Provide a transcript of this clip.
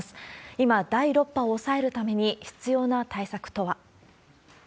今、第６波を抑えるために必要な対策とは。